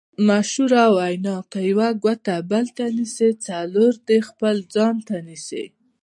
مشهوره وینا: که یوه ګوته بل ته نیسې څلور دې خپل ځان ته نیسې.